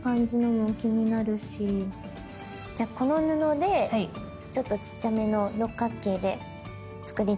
じゃこの布でちょっとちっちゃめの六角形で作りたいと思います。